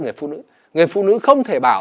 người phụ nữ người phụ nữ không thể bảo